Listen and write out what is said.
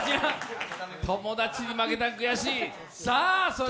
友達に負けた、悔しい。